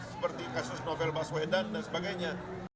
seperti kasus novel baswedan dan sebagainya